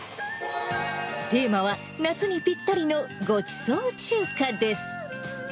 テーマは、夏にぴったりのごちそう中華です。